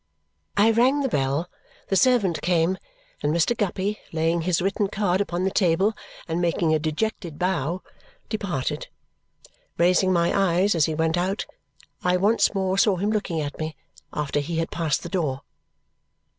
I rang the bell, the servant came, and Mr. Guppy, laying his written card upon the table and making a dejected bow, departed. Raising my eyes as he went out, I once more saw him looking at me after he had passed the door.